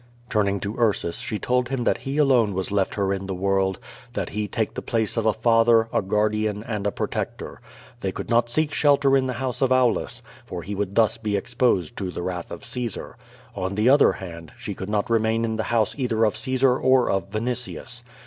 '' Turning to Ursus, she told him that he alone was left her in the world, that he take tho place of a father, a guardian, and a protector. They could not seek shelter in the house of Aulus, for he would thus be exposed to the wrath of Caesar. On the other hand, she could not remain in the house either of Caesar or of Vinitius.